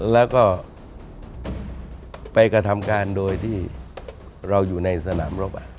แล้วก็ไปกระทำการโดยที่เราอยู่ในสนามรบ